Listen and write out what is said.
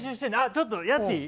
ちょっとやっていい。